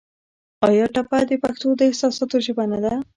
آیا ټپه د پښتو د احساساتو ژبه نه ده؟